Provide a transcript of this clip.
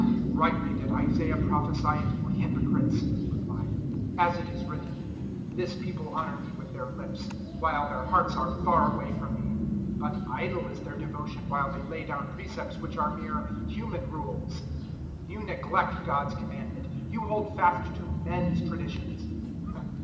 007:006 "Rightly did Isaiah prophesy of you hypocrites," He replied; "as it is written, "'This People honour Me with their lips, while their hearts are far away from Me: 007:007 But idle is their devotion while they lay down precepts which are mere human rules.' 007:008 "You neglect God's Commandment: you hold fast to men's traditions."